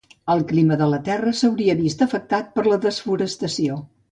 El clima de la Terra s'hauria vist afectat per la desforestació.